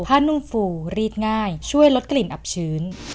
นุ่มฟูรีดง่ายช่วยลดกลิ่นอับชื้น